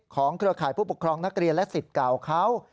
เครือข่ายผู้ปกครองนักเรียนและสิทธิ์เก่าเขา